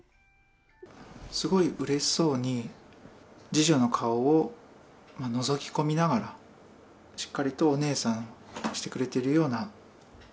すごいうれしそうに次女の顔をのぞき込みながら、しっかりとお姉さんしてくれているような。